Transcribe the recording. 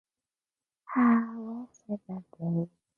His name refers to his origins from the Kingdom of Iberia.